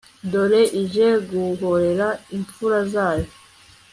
dore ije guhorera impfura zayo